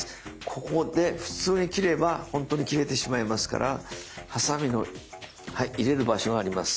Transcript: ここで普通に切れば本当に切れてしまいますからはさみの入れる場所があります。